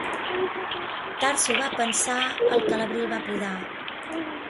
Tard s'ho va pensar el que a l'abril va podar.